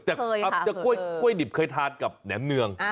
แต่กล้วยดิบเคยทานกับแหนมเนือง